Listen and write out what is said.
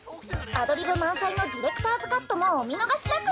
アドリブ満載のディレクターズカットもお見逃しなく！